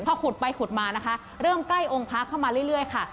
พอขุดไปขุดมานะคะเริ่มใกล้องค์พระเข้ามาเรื่อยค่ะ